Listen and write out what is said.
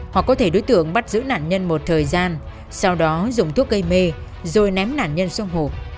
hoặc có thể đối tượng bắt giữ nạn nhân một thời gian sau đó dùng thuốc gây mê rồi ném nạn nhân xuống hồ